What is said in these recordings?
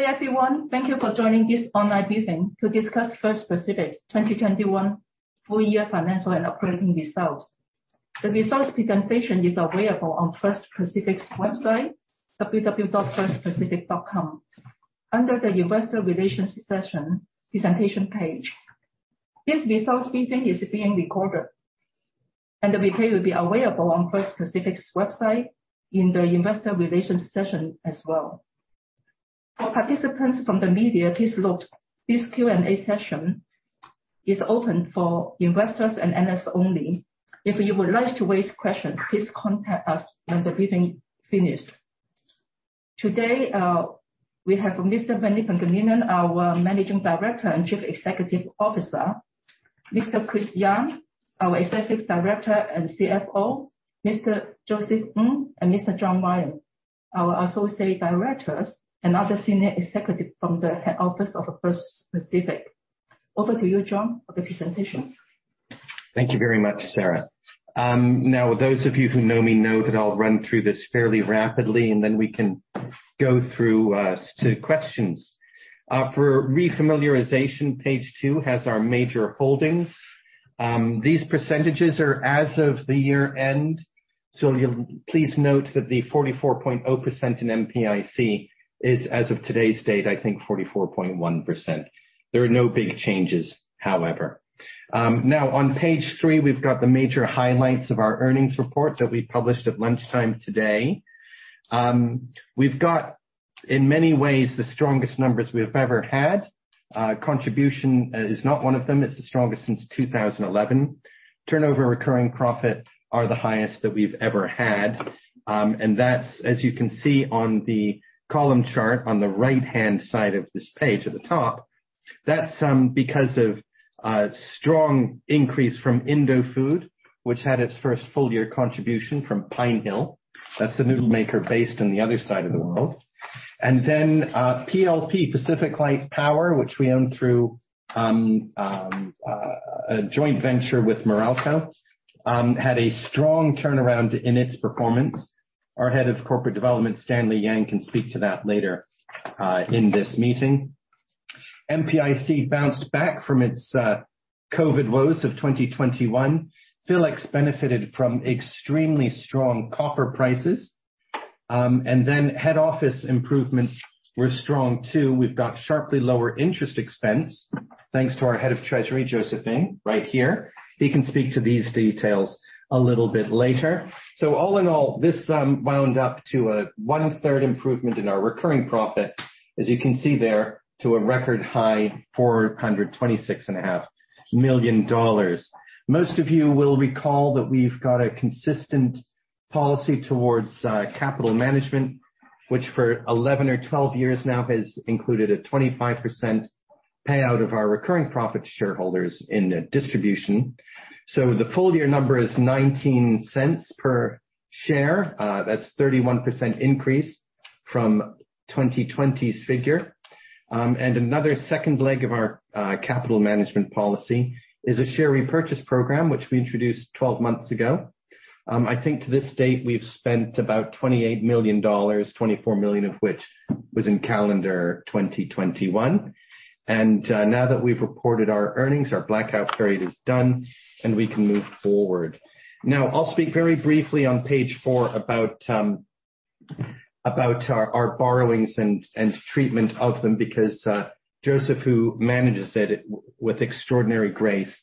Hey, everyone. Thank you for joining this online briefing to discuss First Pacific 2021 Full-Year Financial and Operating Results. The results presentation is available on First Pacific's website, www.firstpacific.com, under the Investor Relations section presentation page. This results briefing is being recorded, and the replay will be available on First Pacific's website in the Investor Relations section as well. For participants from the media, please note, this Q&A session is open for investors and analysts only. If you would like to raise questions, please contact us when the briefing finished. Today, we have Mr. Manny Pangilinan, our Managing Director and Chief Executive Officer, Mr. Chris Young, our Executive Director and CFO, Mr. Joseph Ng, and Mr. John Ryan, our Associate Directors and other senior executives from the head office of First Pacific. Over to you, John, for the presentation. Thank you very much, Sara. Now those of you who know me know that I'll run through this fairly rapidly, and then we can go through some questions. For refamiliarization, page 2 has our major holdings. These percentages are as of the year-end, so you'll please note that the 44.0% in MPIC is, as of today's date, I think 44.1%. There are no big changes, however. Now on page 3, we've got the major highlights of our earnings report that we published at lunchtime today. We've got, in many ways, the strongest numbers we have ever had. Contribution is not one of them. It's the strongest since 2011. Turnover recurring profit are the highest that we've ever had. That's, as you can see on the column chart on the right-hand side of this page at the top. That's because of a strong increase from Indofood, which had its first full year contribution from Pinehill. That's the noodle maker based on the other side of the world. PLP, PacificLight Power, which we own through a joint venture with Meralco, had a strong turnaround in its performance. Our Head of Corporate Development, Stanley Yang, can speak to that later in this meeting. MPIC bounced back from its COVID woes of 2021. Philex benefited from extremely strong copper prices. Head office improvements were strong, too. We've got sharply lower interest expense, thanks to our Head of Treasury, Joseph Ng, right here. He can speak to these details a little bit later. All in all, this wound up to a 1/3 improvement in our recurring profit, as you can see there, to a record high $426.5 million. Most of you will recall that we've got a consistent policy towards capital management, which for 11 or 12 years now has included a 25% payout of our recurring profit to shareholders in the distribution. The full-year number is 0.19 per share. That's a 31% increase from 2020's figure. Another second leg of our capital management policy is a share repurchase program, which we introduced 12 months ago. I think to this date, we've spent about $28 million, $24 million of which was in calendar 2021. Now that we've reported our earnings, our blackout period is done, and we can move forward. Now, I'll speak very briefly on page four about our borrowings and treatment of them, because Joseph, who manages it with extraordinary grace,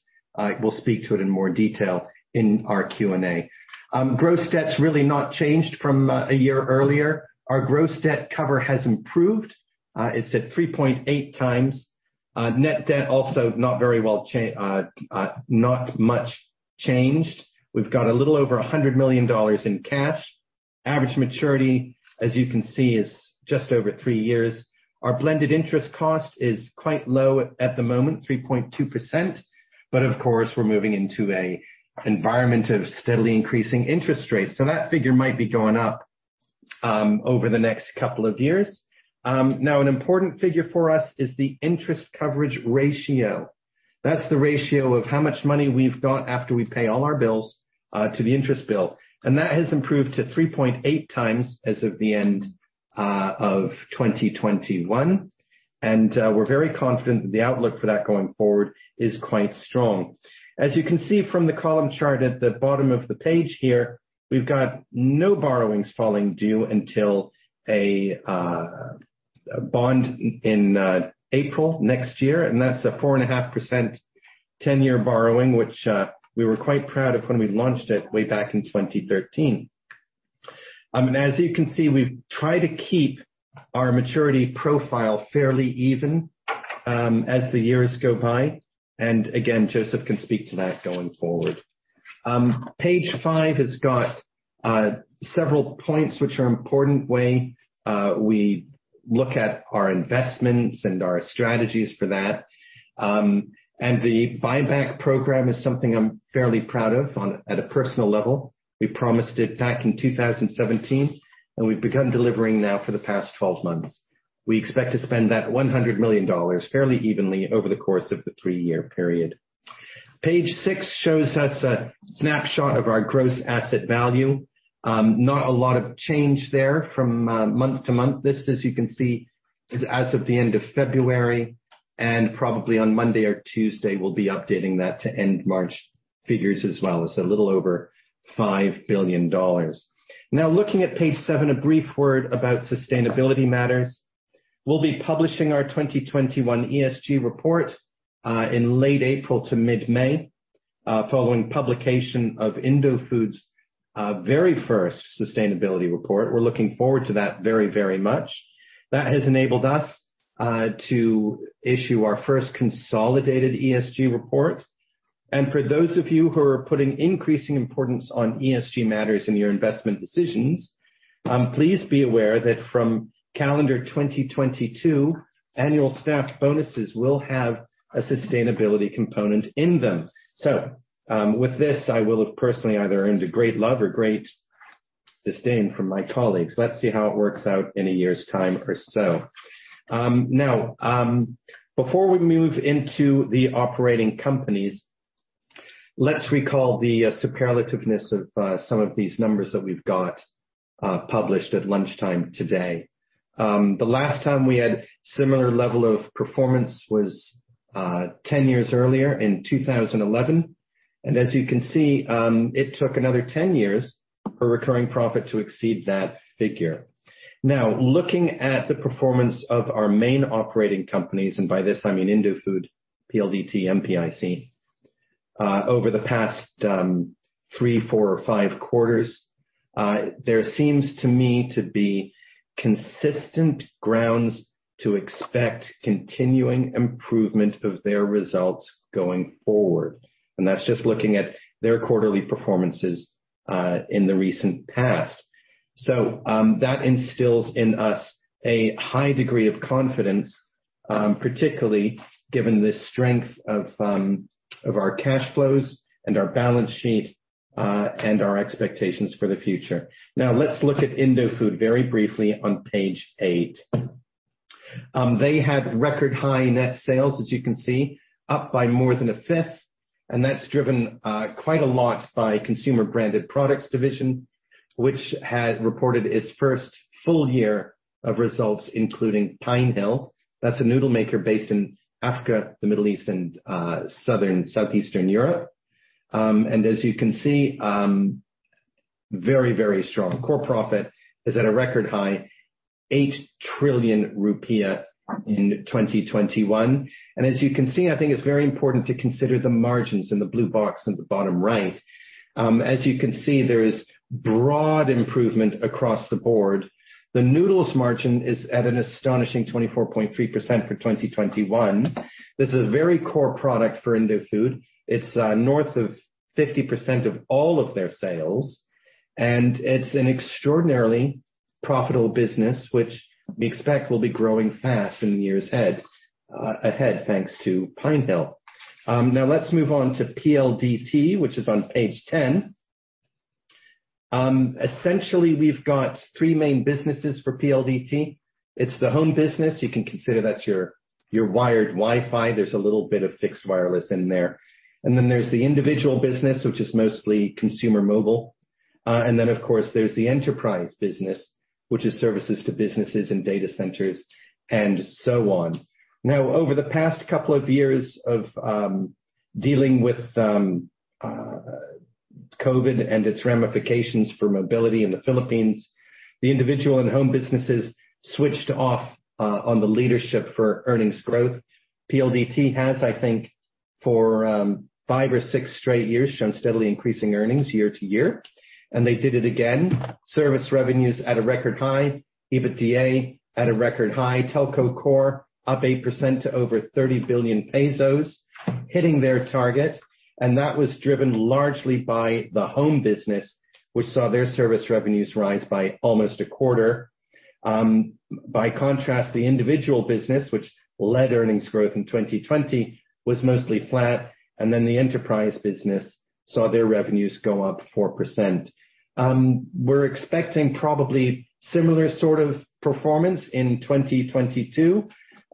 will speak to it in more detail in our Q&A. Gross debt's really not changed from a year earlier. Our gross debt cover has improved. It's at 3.8x. Net debt also not much changed. We've got a little over $100 million in cash. Average maturity, as you can see, is just over three years. Our blended interest cost is quite low at the moment, 3.2%, but of course, we're moving into an environment of steadily increasing interest rates. That figure might be going up over the next couple of years. Now, an important figure for us is the interest coverage ratio. That's the ratio of how much money we've got after we pay all our bills to the interest bill. That has improved to 3.8x as of the end of 2021. We're very confident the outlook for that going forward is quite strong. As you can see from the column chart at the bottom of the page here, we've got no borrowings falling due until a bond in April next year, and that's a 4.5% 10-year borrowing, which we were quite proud of when we launched it way back in 2013. As you can see, we've tried to keep our maturity profile fairly even as the years go by. Again, Joseph can speak to that going forward. Page 5 has got several points which are important way we look at our investments and our strategies for that. The buyback program is something I'm fairly proud of at a personal level. We promised it back in 2017, and we've begun delivering now for the past 12 months. We expect to spend that $100 million fairly evenly over the course of the three-year period. Page 6 shows us a snapshot of our gross asset value. Not a lot of change there from month to month. This, as you can see, is as of the end of February, and probably on Monday or Tuesday, we'll be updating that to end March figures as well. It's a little over $5 billion. Now, looking at page 7, a brief word about sustainability matters. We'll be publishing our 2021 ESG report in late-April to mid-May, following publication of Indofood's very first sustainability report. We're looking forward to that very, very much. That has enabled us to issue our first consolidated ESG report. For those of you who are putting increasing importance on ESG matters in your investment decisions, please be aware that from calendar 2022, annual staff bonuses will have a sustainability component in them. With this, I will have personally either earned a great love or great disdain from my colleagues. Let's see how it works out in a year's time or so. Now, before we move into the operating companies, let's recall the superlativeness of some of these numbers that we've got published at lunchtime today. The last time we had similar level of performance was 10 years earlier in 2011. As you can see, it took another 10 years for recurring profit to exceed that figure. Looking at the performance of our main operating companies, and by this, I mean Indofood, PLDT, MPIC. Over the past three, four, or five quarters, there seems to me to be consistent grounds to expect continuing improvement of their results going forward, and that's just looking at their quarterly performances in the recent past. That instills in us a high degree of confidence, particularly given the strength of our cash flows and our balance sheet, and our expectations for the future. Now, let's look at Indofood very briefly on page 8. They had record high net sales, as you can see, up by more than 20%, and that's driven quite a lot by Consumer Branded Products division, which has reported its first full year of results, including Pinehill. That's a noodle maker based in Africa, the Middle East and southeastern Europe. As you can see, very strong. Core profit is at a record high 8 trillion rupiah in 2021. As you can see, I think it's very important to consider the margins in the blue box at the bottom right. As you can see, there is broad improvement across the board. The noodles margin is at an astonishing 24.3% for 2021. This is a very core product for Indofood. It's north of 50% of all of their sales, and it's an extraordinarily profitable business which we expect will be growing fast in the years ahead, thanks to Pinehill. Now let's move on to PLDT, which is on page 10. Essentially we've got three main businesses for PLDT. It's the Home business. You can consider that's your wired Wi-Fi. There's a little bit of fixed wireless in there. There's the Individual business, which is mostly consumer mobile. Of course, there's the Enterprise business, which is services to businesses and data centers and so on. Now, over the past couple of years of dealing with COVID and its ramifications for mobility in the Philippines, the Individual and Home businesses switched off on the leadership for earnings growth. PLDT has, I think, for five or six straight years, shown steadily increasing earnings year-over-year, and they did it again. Service revenues at a record high. EBITDA at a record high. Telco core up 8% to over 30 billion pesos, hitting their target. That was driven largely by the home business, which saw their service revenues rise by almost a quarter. By contrast, the individual business, which led earnings growth in 2020, was mostly flat. The enterprise business saw their revenues go up 4%. We're expecting probably similar sort of performance in 2022.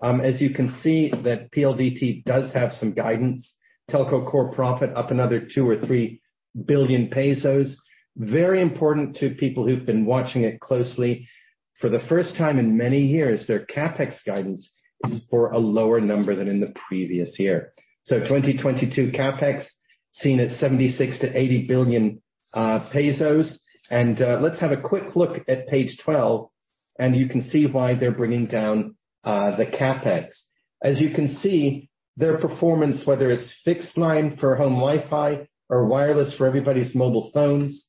As you can see that PLDT does have some guidance. Telco core profit up another 2 billion or 3 billion pesos. Very important to people who've been watching it closely. For the first time in many years, their CapEx guidance is for a lower number than in the previous year. 2022 CapEx seen at 76 billion-80 billion pesos. Let's have a quick look at page 12 and you can see why they're bringing down the CapEx. As you can see, their performance, whether it's fixed line for home Wi-Fi or wireless for everybody's mobile phones,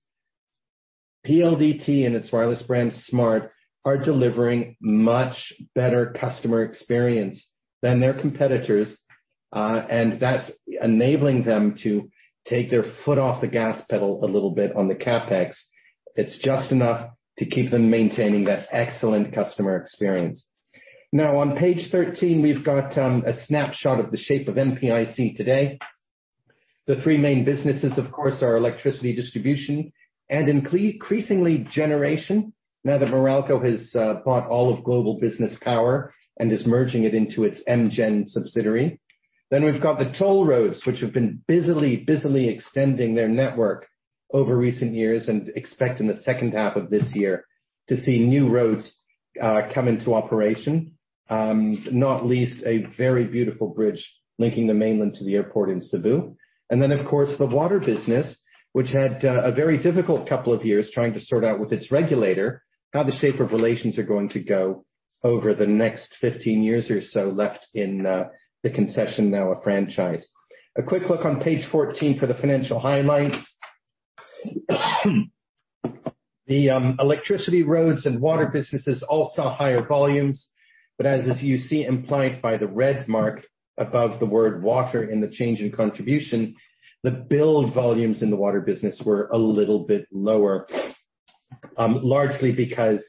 PLDT and its wireless brand, Smart, are delivering much better customer experience than their competitors and that's enabling them to take their foot off the gas pedal a little bit on the CapEx. It's just enough to keep them maintaining that excellent customer experience. Now on page 13, we've got a snapshot of the shape of MPIC today. The three main businesses, of course, are Electricity distribution and increasingly generation. Now that Meralco has bought all of Global Business Power and is merging it into its MGEN subsidiary. We've got the Toll Roads, which have been busily extending their network over recent years and expect in the second half of this year to see new roads come into operation, not least a very beautiful bridge linking the mainland to the airport in Cebu. Of course, the Water business, which had a very difficult couple of years trying to sort out with its regulator, how the shape of relations are going to go over the next 15 years or so left in the concession, now a franchise. A quick look on page 14 for the financial highlights. The Electricity, Roads, and Water businesses all saw higher volumes. As you see implied by the red mark above the word water in the change in contribution, the build volumes in the Water business were a little bit lower. Largely because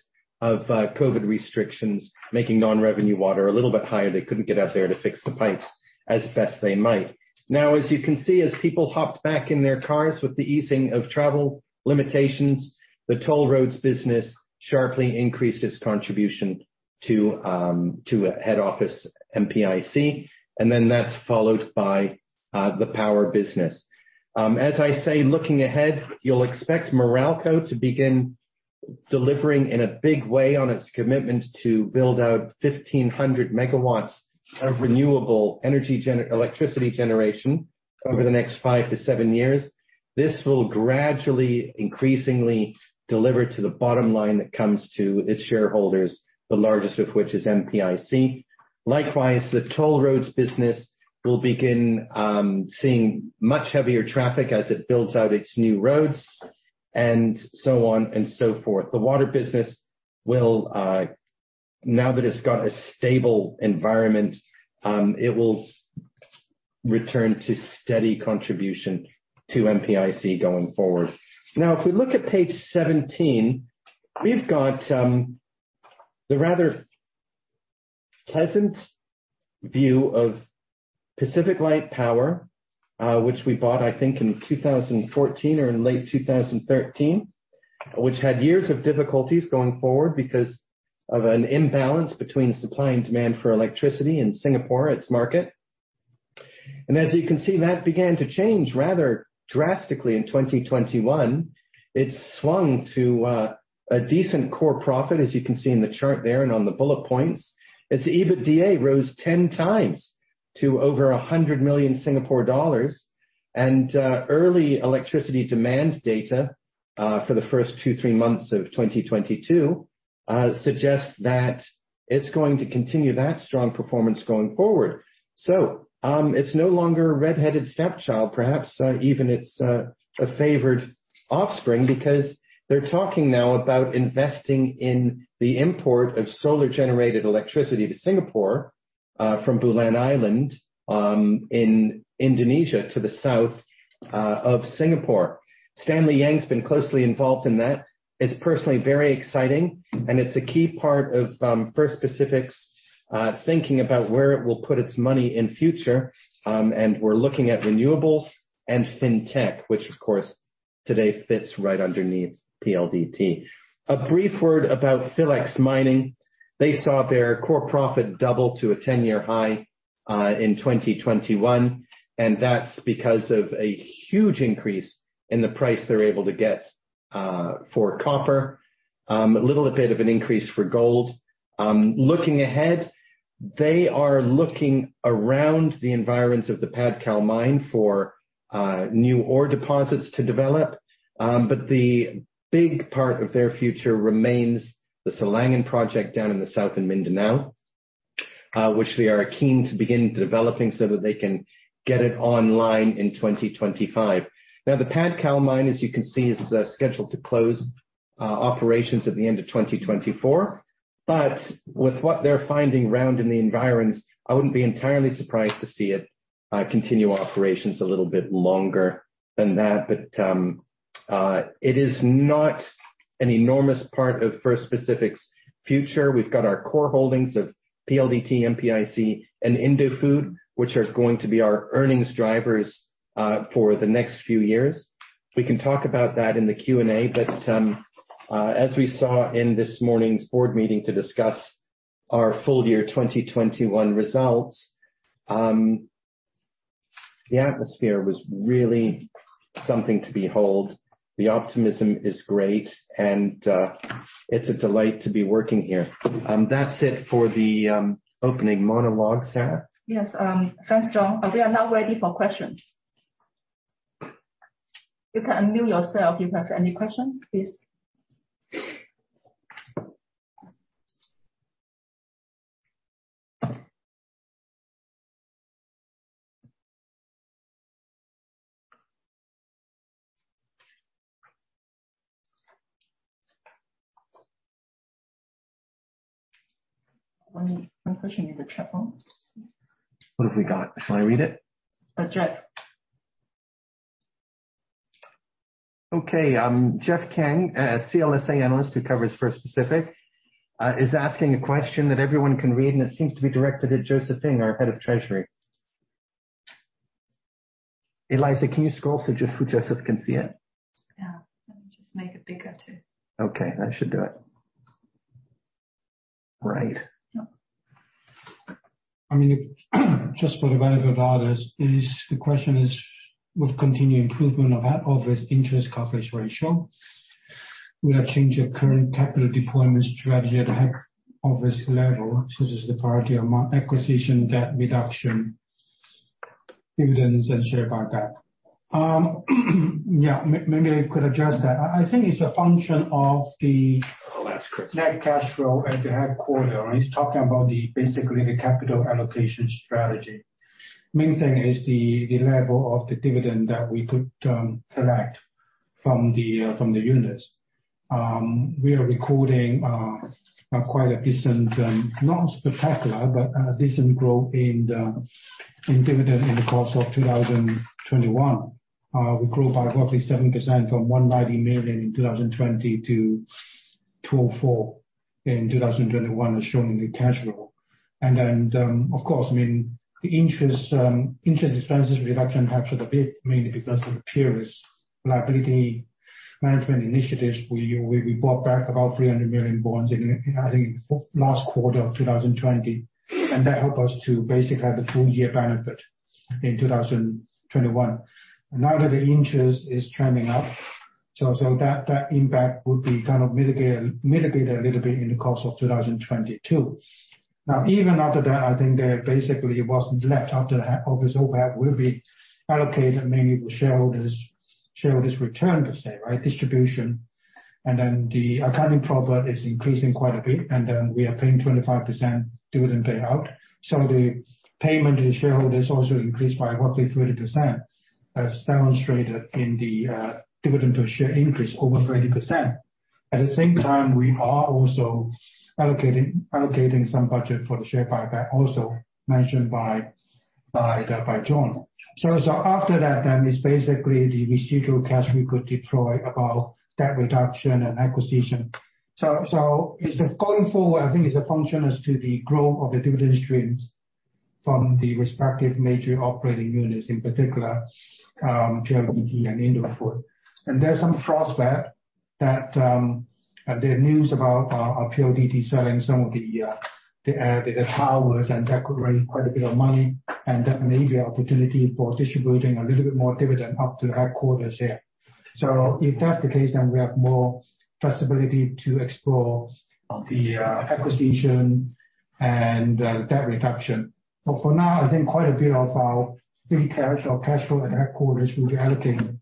of COVID restrictions, making non-revenue water a little bit higher. They couldn't get out there to fix the pipes as best they might. Now, as you can see, as people hopped back in their cars with the easing of travel limitations, the Toll Roads business sharply increased its contribution to a head office, MPIC, and then that's followed by the Power business. As I say, looking ahead, you'll expect Meralco to begin delivering in a big way on its commitment to build out 1,500 MW of renewable energy electricity generation over the next five to seven years. This will gradually, increasingly deliver to the bottom line that comes to its shareholders, the largest of which is MPIC. Likewise, the Toll Roads business will begin seeing much heavier traffic as it builds out its new roads, and so on and so forth. The Water business will now that it's got a stable environment, it will return to steady contribution to MPIC going forward. Now, if we look at page 17, we've got the rather pleasant view of PacificLight Power, which we bought, I think, in 2014 or in late 2013, which had years of difficulties going forward because of an imbalance between supply and demand for electricity in Singapore, its market. As you can see, that began to change rather drastically in 2021. It swung to a decent core profit, as you can see in the chart there and on the bullet points. Its EBITDA rose 10x to over 100 million Singapore dollars. Early electricity demand data for the first two, three months of 2022 suggests that it's going to continue that strong performance going forward. It's no longer a red-headed stepchild, perhaps, even it's a favored offspring because they're talking now about investing in the import of solar-generated electricity to Singapore from Bulan Island in Indonesia to the south of Singapore. Stanley Yang's been closely involved in that. It's personally very exciting, and it's a key part of First Pacific's thinking about where it will put its money in future. We're looking at renewables and fintech, which, of course, today fits right underneath PLDT. A brief word about Philex Mining. They saw their core profit double to a 10-year high in 2021, and that's because of a huge increase in the price they're able to get for copper. A little bit of an increase for gold. Looking ahead, they are looking around the environs of the Padcal mine for new ore deposits to develop. But the big part of their future remains the Silangan project down in the south in Mindanao, which they are keen to begin developing so that they can get it online in 2025. Now, the Padcal mine, as you can see, is scheduled to close operations at the end of 2024. With what they're finding around in the environs, I wouldn't be entirely surprised to see it continue operations a little bit longer than that. It is not an enormous part of First Pacific's future. We've got our core holdings of PLDT, MPIC, and Indofood, which are going to be our earnings drivers for the next few years. We can talk about that in the Q&A. As we saw in this morning's board meeting to discuss our full-year 2021 results, the atmosphere was really something to behold. The optimism is great, and it's a delight to be working here. That's it for the opening monologue, Sara. Yes. Thanks, John. We are now ready for questions. You can unmute yourself if you have any questions, please. One question in the chat box. What have we got? Shall I read it? Okay, Jeff Kiang, a CLSA analyst who covers First Pacific, is asking a question that everyone can read, and it seems to be directed at Joseph Ng, our Head of Treasury. Eliza, can you scroll so Joseph can see it? Yeah. Let me just make it bigger, too. Okay, that should do it. Right. I mean, just for the benefit of others the question is, with continued improvement of head office interest coverage ratio, will there change your current capital deployment strategy at head office level, such as the priority amount acquisition, debt reduction, dividends, and share buyback? Yeah, maybe I could address that. I think it's a function of the net cash flow at the headquarters. He's talking about basically the capital allocation strategy. Main thing is the level of the dividend that we could collect from the units. We are recording quite a decent, not spectacular, but decent growth in dividend in the course of 2021. We grew by roughly 7% from $190 million in 2020 to $204 million in 2021 as shown in the cash flow. Of course, I mean, the interest expenses reduction helped a bit mainly because of the previous liability management initiatives. We bought back about $300 million bonds in, I think, last quarter of 2020. That helped us to basically have the full-year benefit in 2021. Now that the interest is trending up, that impact would be kind of mitigate a little bit in the course of 2022. Even after that, I think there basically wasn't left after the head office overhead will be allocated mainly to shareholders return per se, right? Distribution. Then the accounting profit is increasing quite a bit, and then we are paying 25% dividend payout. Some of the payment to the shareholders also increased by roughly 30%, as demonstrated in the dividend per share increase over 30%. At the same time, we are also allocating some budget for the share buyback, also mentioned by John. After that, it's basically the residual cash we could deploy about debt reduction and acquisition. It's just going forward, I think it's a function as to the growth of the dividend streams from the respective major operating units, in particular, PLDT and Indofood. There's some prospect that there are news about PLDT selling some of the towers, and that could raise quite a bit of money, and that may be an opportunity for distributing a little bit more dividend up to headquarters here. If that's the case, we have more flexibility to explore the acquisition and debt reduction. For now, I think quite a bit of our free cash or cash flow at headquarters will be allocating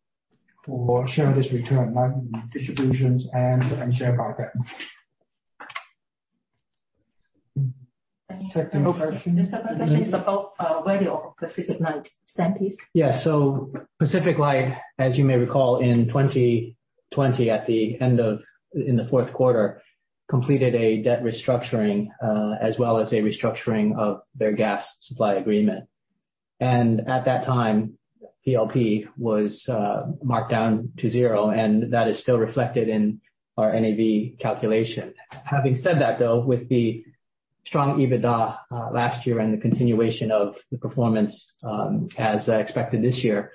for shareholders return, like distributions and share buyback. The second question is about value of PacificLight. Stan, please. Yeah. PacificLight, as you may recall, in 2020 in the fourth quarter, completed a debt restructuring, as well as a restructuring of their gas supply agreement. At that time, PLP was marked down to zero, and that is still reflected in our NAV calculation. Having said that, though, with the strong EBITDA last year and the continuation of the performance, as expected this year,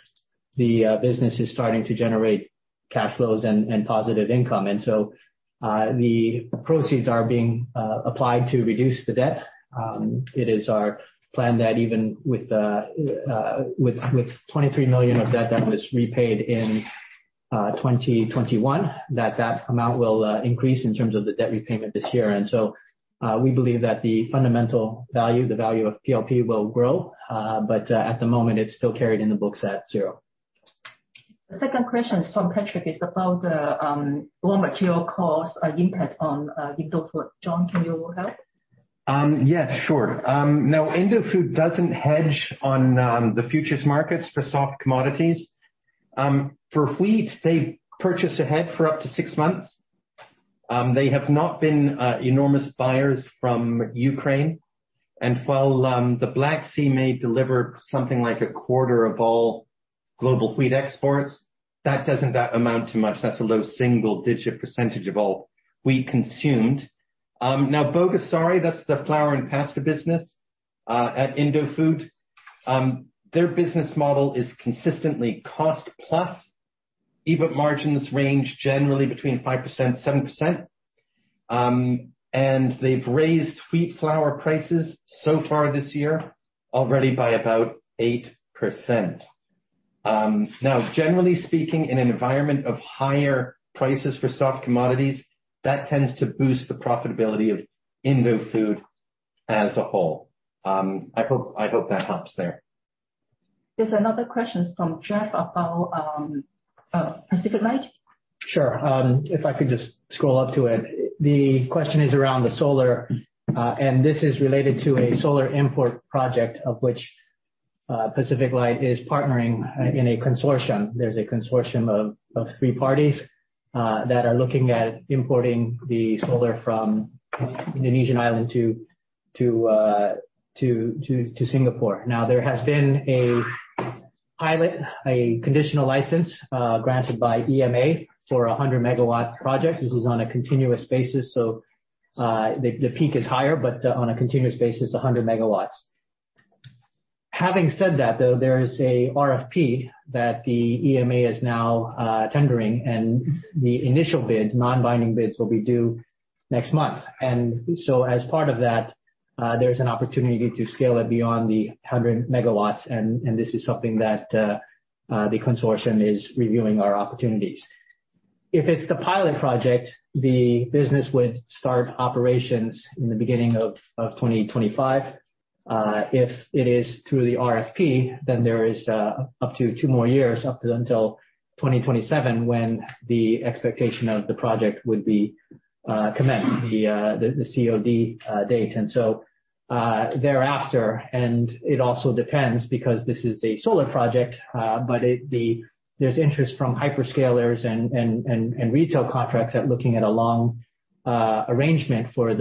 the business is starting to generate cash flows and positive income. The proceeds are being applied to reduce the debt. It is our plan that even with $23 million of debt that was repaid in 2021, that amount will increase in terms of the debt repayment this year. We believe that the fundamental value, the value of PLP will grow. But at the moment, it's still carried in the books at zero. The second question is from Patrick. It's about the raw material cost impact on Indofood. John, can you help? Yes, sure. Now, Indofood doesn't hedge on the futures markets for soft commodities. For wheat, they purchase ahead for up to six months. They have not been enormous buyers from Ukraine. While the Black Sea may deliver something like a quarter of all global wheat exports, that doesn't amount to much. That's a low-single-digit percentage of all wheat consumed. Now, Bogasari, that's the flour and pasta business at Indofood. Their business model is consistently cost plus. EBIT margins range generally between 5%-7%. They've raised wheat flour prices so far this year already by about 8%. Now generally speaking, in an environment of higher prices for soft commodities, that tends to boost the profitability of Indofood as a whole. I hope that helps there. There's another question from Jeff about PacificLight. Sure. If I could just scroll up to it. The question is around the solar, and this is related to a solar import project of which PacificLight is partnering in a consortium. There's a consortium of three parties that are looking at importing the solar from Indonesian island to Singapore. Now, there has been a pilot, a conditional license granted by EMA for a 100 MW project. This is on a continuous basis, so the peak is higher, but on a continuous basis, 100 MW. Having said that, though, there is a RFP that the EMA is now tendering and the initial bids, non-binding bids, will be due next month. As part of that, there's an opportunity to scale it beyond 100 MW and this is something that the consortium is reviewing our opportunities. If it's the pilot project, the business would start operations in the beginning of 2025. If it is through the RFP, then there is up to two more years, up until 2027, when the expectation of the project would be commenced, the COD date. Thereafter it also depends because this is a solar project, but there's interest from hyperscalers and retail contracts are looking at a long arrangement for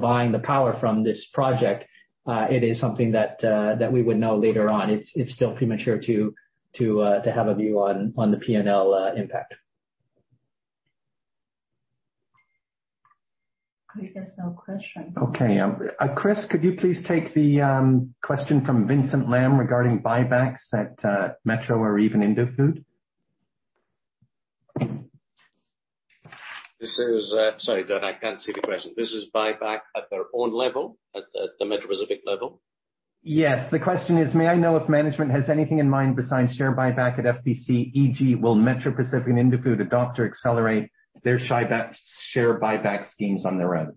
buying the power from this project. It is something that we would know later on. It's still premature to have a view on the P&L impact. I think there's no question. Okay. Chris, could you please take the question from Vincent Lam regarding buybacks at Metro or even Indofood? Sorry, John, I can't see the question. This is buyback at their own level? At the Metro Pacific level? Yes. The question is, may I know if management has anything in mind besides share buyback at FPC? e.g., will Metro Pacific and Indofood adopt or accelerate their share buyback schemes on their own?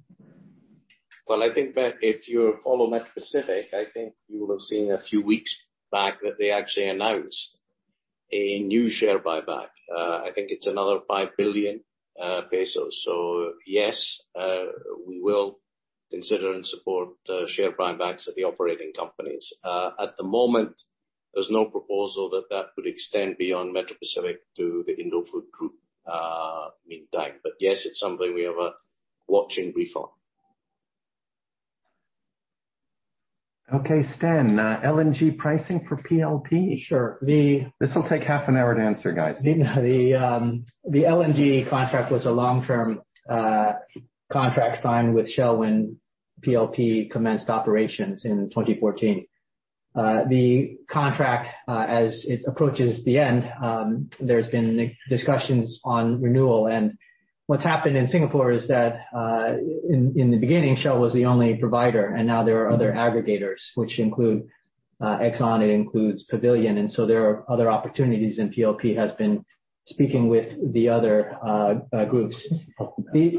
Well, I think that if you follow Metro Pacific, I think you will have seen a few weeks back that they actually announced a new share buyback. I think it's another 5 billion pesos. Yes, we will consider and support share buybacks at the operating companies. At the moment, there's no proposal that could extend beyond Metro Pacific to the Indofood group meantime. Yes, it's something we are watching briefly. Okay, Stan. LNG pricing for PLP? This will take half an hour to answer, guys. The LNG contract was a long-term contract signed with Shell when PLP commenced operations in 2014. The contract, as it approaches the end, there's been discussions on renewal. What's happened in Singapore is that, in the beginning, Shell was the only provider, and now there are other aggregators which include Exxon, it includes Pavilion. There are other opportunities, and PLP has been speaking with the other groups. There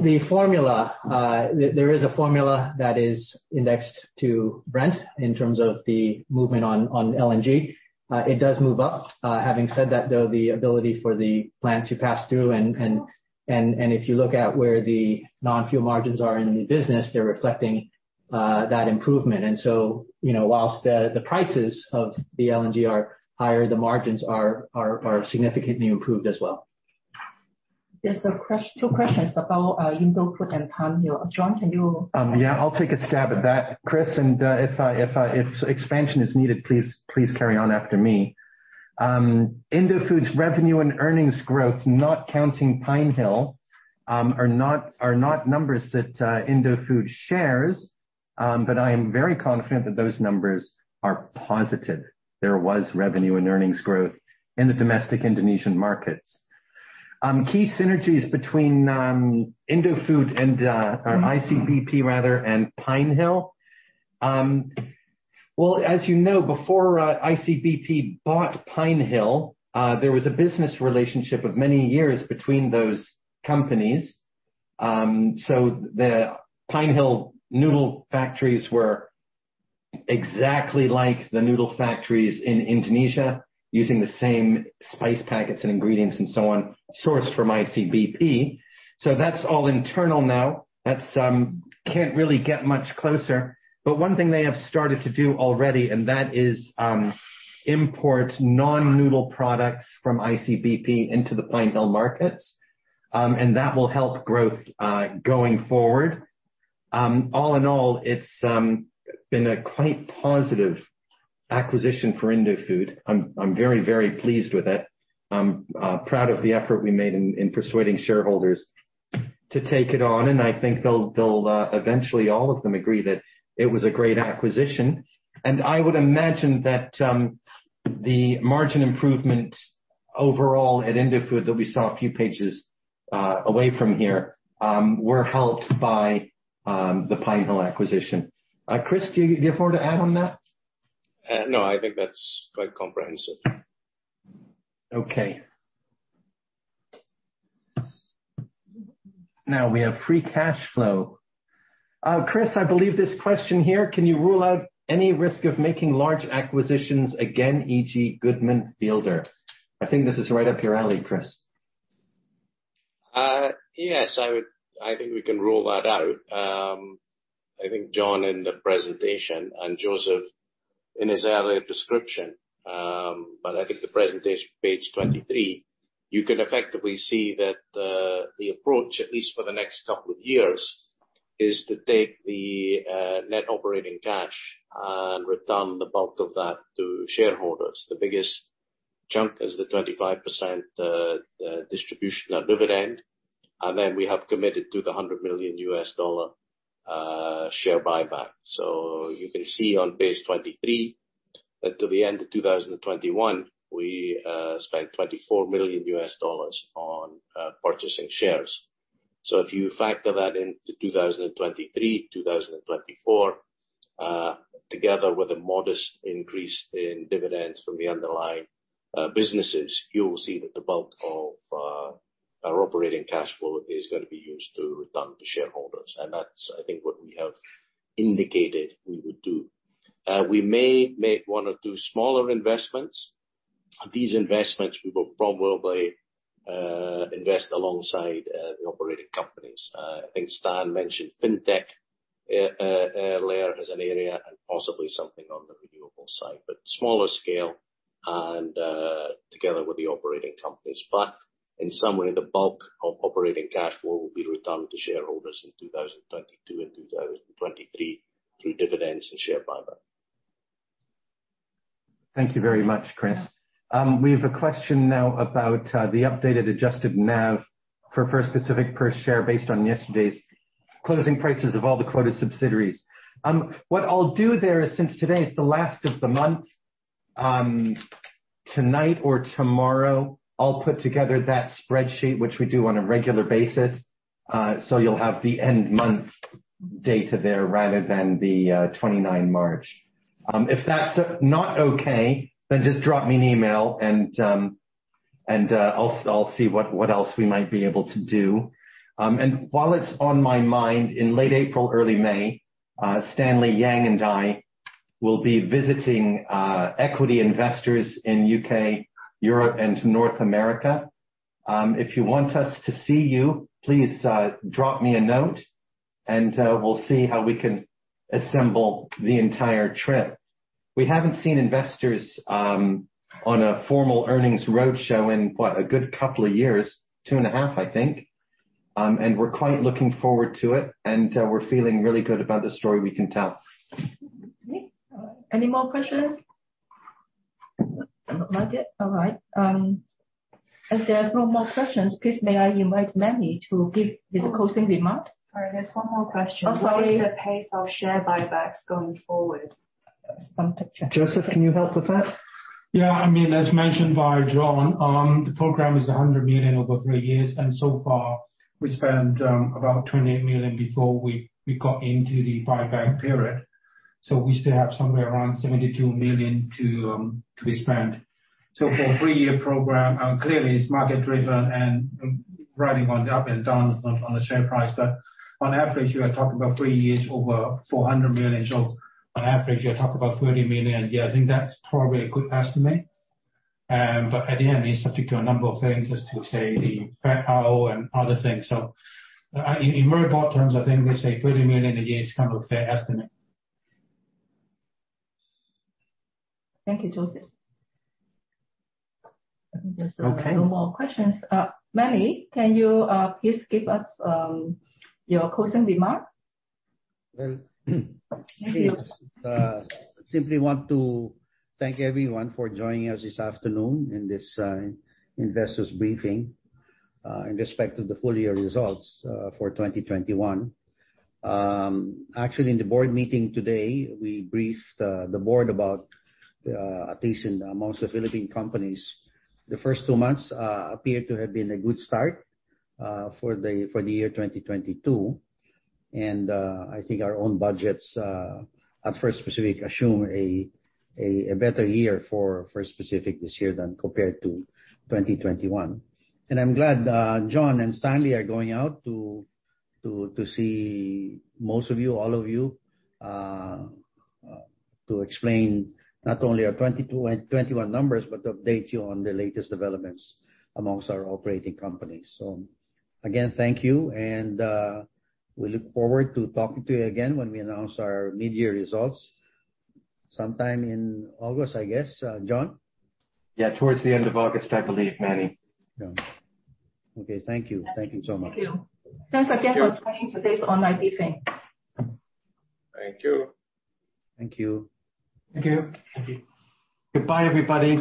is a formula that is indexed to Brent in terms of the movement on LNG. It does move up. Having said that, though, the ability for the plant to pass through and if you look at where the non-fuel margins are in the business, they're reflecting that improvement. You know, while the prices of the LNG are higher, the margins are significantly improved as well. There's two questions about Indofood and Pinehill. John, can you? Yeah, I'll take a stab at that, Chris. If expansion is needed, please carry on after me. Indofood's revenue and earnings growth, not counting Pinehill, are not numbers that Indofood shares, but I am very confident that those numbers are positive. There was revenue and earnings growth in the domestic Indonesian markets. Key synergies between Indofood and, or ICBP rather, and Pinehill. Well, as you know, before ICBP bought Pinehill, there was a business relationship of many years between those companies. So the Pinehill noodle factories were exactly like the noodle factories in Indonesia, using the same spice packets and ingredients and so on, sourced from ICBP. So that's all internal now. Can't really get much closer. One thing they have started to do already, and that is, import non-noodle products from ICBP into the Pinehill markets, and that will help growth, going forward. All in all, it's been a quite positive acquisition for Indofood. I'm very pleased with it. I'm proud of the effort we made in persuading shareholders to take it on, and I think they'll eventually all of them agree that it was a great acquisition. I would imagine that the margin improvement overall at Indofood that we saw a few pages away from here were helped by the Pinehill acquisition. Chris, do you have more to add on that? No, I think that's quite comprehensive. Okay. Now we have free cash flow. Chris, I believe this question here, can you rule out any risk of making large acquisitions again, e.g., Goodman Fielder? I think this is right up your alley, Chris. Yes, I think we can rule that out. I think John in the presentation and Joseph in his earlier description, but I think the presentation, page 23, you can effectively see that the approach, at least for the next couple of years, is to take the net operating cash and return the bulk of that to shareholders, the biggest chunk as the 25% distribution of dividend. We have committed to the $100 million share buyback. You can see on page 23 that till the end of 2021, we spent $24 million on purchasing shares. If you factor that into 2023, 2024, together with a modest increase in dividends from the underlying businesses, you will see that the bulk of our operating cash flow is gonna be used to return to shareholders. That's, I think, what we have indicated we would do. We may make one or two smaller investments. These investments we will probably invest alongside the operating companies. I think Stan mentioned fintech earlier as an area and possibly something on the renewable side, but smaller scale and together with the operating companies. In some way, the bulk of operating cash flow will be returned to shareholders in 2022 and 2023 through dividends and share buyback. Thank you very much, Chris. We've a question now about the updated adjusted NAV for First Pacific per share based on yesterday's closing prices of all the quoted subsidiaries. What I'll do there is, since today is the last of the month, tonight or tomorrow I'll put together that spreadsheet, which we do on a regular basis, so you'll have the end-month data there rather than the 29 March. If that's not okay, then just drop me an email and I'll see what else we might be able to do. While it's on my mind, in late April, early May, Stanley Yang and I will be visiting equity investors in U.K., Europe and North America. If you want us to see you, please drop me a note, and we'll see how we can assemble the entire trip. We haven't seen investors on a formal earnings road show in what, a good couple of years? 2.5 years, I think. We're quite looking forward to it. We're feeling really good about the story we can tell. Any more questions? Not yet. All right. As there is no more questions, please may I invite Manny to give his closing remark. Sorry, there's one more question. What is the pace of share buybacks going forward? Joseph, can you help with that? Yeah. I mean, as mentioned by John, the program is $100 million over three years. So far we spent about $28 million before we got into the buyback period. We still have somewhere around $72 million to be spent. For a three-year program, clearly it's market driven and riding on the up and down on the share price. On average, you are talking about three years over $400 million. On average you talk about $30 million. Yeah, I think that's probably a good estimate. At the end, it's subject to a number of things, as to say, the power and other things. In very broad terms, I think we say $30 million a year is kind of a fair estimate. Thank you, Joseph. I think there's no more questions. Manny, can you please give us your closing remark? I simply want to thank everyone for joining us this afternoon in this investor's briefing in respect to the full year results for 2021. Actually, in the Board Meeting today, we briefed the board about at least among the Philippine companies, the first two months appear to have been a good start for the year 2022. I think our own budgets at First Pacific assume a better year for First Pacific this year than compared to 2021. I'm glad John and Stanley are going out to see most of you, all of you, to explain not only our 2022 and 2021 numbers, but to update you on the latest developments among our operating companies. Again, thank you, and we look forward to talking to you again when we announce our mid-year results sometime in August, I guess. John? Yeah, towards the end of August, I believe, Manny. Yeah. Okay. Thank you. Thank you so much. Thank you. Thanks again for attending today's online briefing. Thank you. Thank you. Thank you. Goodbye, everybody.